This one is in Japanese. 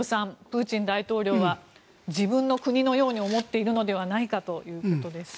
プーチン大統領は自分の国のように思っているのではないかということです。